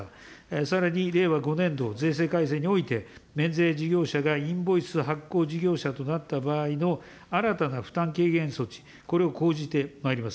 さらに、令和５年度税制改正において、免税事業者がインボイス発行事業者となった場合の新たな負担軽減措置、これを講じてまいります。